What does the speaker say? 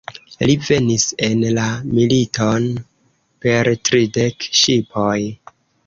Li venis en la militon per tridek ŝipoj.